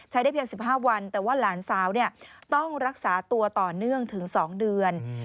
ได้เพียง๑๕วันแต่ว่าหลานสาวต้องรักษาตัวต่อเนื่องถึง๒เดือน